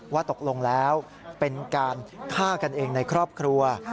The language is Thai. ว่าตกลงแล้วเป็นการฆ่ากันเองในครอบครัว